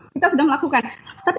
kita sudah melakukan tapi